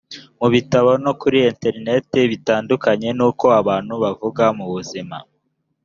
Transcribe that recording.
mu bitabo no kuri interineti bitandukanye n uko abantu bavuga mu buzima